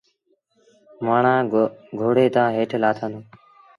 مآڻهآݩ گھوڙي تآݩ هيٺ لآٿآݩدون۔